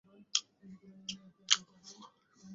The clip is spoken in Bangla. যাক, তুমি দেখলেই সেটা বুঝতে পারবে।